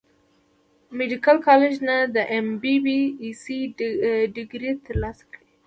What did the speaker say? ميديکل کالج نۀ د ايم بي بي ايس ډګري تر لاسه کړه